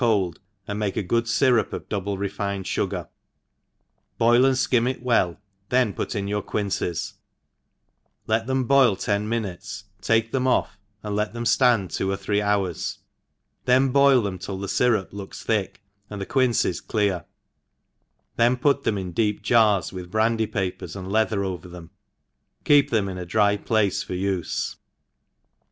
cold, and make a good fyrup of double c^fined fugar, boil and fkim it well, then put in your quinces, let them boil ten minates, take tbem off, and let them (land two or three hours, then boil them till the fyrup k)oks thick, and the quinces clear^ then put them into deep jars, with brandy papers and leather over them; keep them in a dry p ace for ufe.